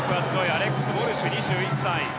アレックス・ウォルシュ２１歳。